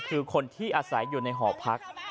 คือคนที่อาศัยอยู่ในหอพัก